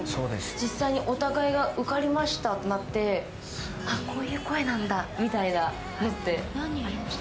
実際にお互いが受かりましたになって、あ、こういう声なんだ、みたいなのって？